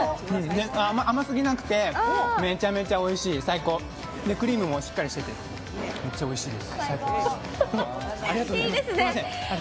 甘すぎなくてめちゃおいしい、最高クリームもしっかりしてて、めっちゃおいしいです、最高です。